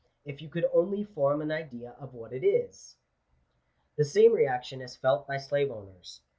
If you could only form an idea of what it is !" The same reaction is felt by slave owners.